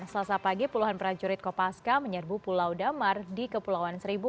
selasa pagi puluhan prajurit kopaska menyerbu pulau damar di kepulauan seribu